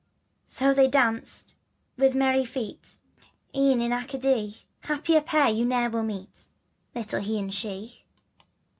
" So they danced with merry feet, E'en in Arcadee, Happier pair you ne'er will meet, Little He and She.